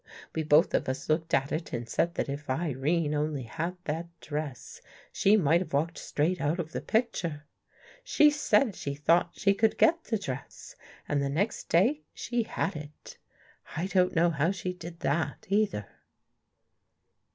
We both of us looked at it and said that if Irene only had the dress, she might have walked straight out of the picture. She said she thought she could get the dress and the next day she had it. I don't know how she did that, either."